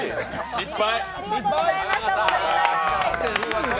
失敗。